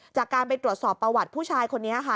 จากการไปตรวจสอบประวัติผู้ชายคนนี้ค่ะ